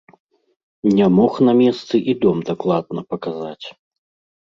Не мог на месцы і дом дакладна паказаць.